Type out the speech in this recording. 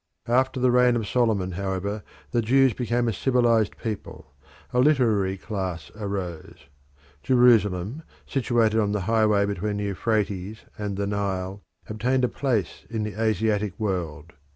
After the reign of Solomon, however, the Jews became a civilised people; a literary class arose. Jerusalem, situated on the highway between the Euphrates and the Nile, obtained a place in the Asiatic world.